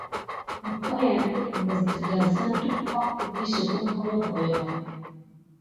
Məkayan yane def mis dedazan tumpay kutu suck kim kirore hohohokio.